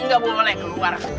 nggak boleh keluar